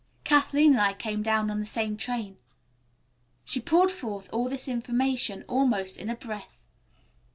Kathleen and I came down on the same train." She poured forth all this information almost in a breath.